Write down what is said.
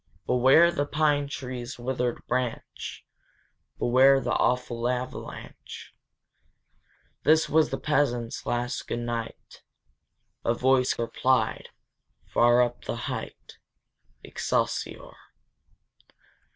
"Beware the pine tree's withered branch! Beware the awful avalanche!" This was the peasant's last Good night, A voice replied, far up the height, Excelsior!